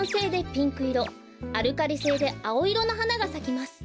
アルカリ性であおいろのはながさきます。